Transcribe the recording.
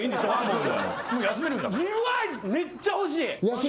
うわっめっちゃ欲しい！